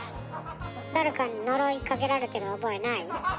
誰かに呪いかけられてる覚えない？